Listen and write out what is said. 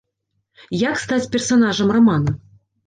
Як стаць персанажам рамана?